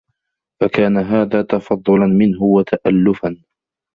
فَكَانَ هَذَا تَفَضُّلًا مِنْهُ وَتَأَلُّفًا